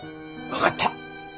分かった。